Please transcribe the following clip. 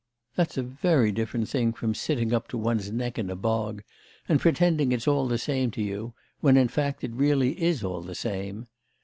That's a very different thing from sitting up to one's neck in a bog, and pretending it's all the same to you, when in fact it really is all the same.